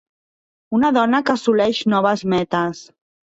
Una dona que assoleix noves metes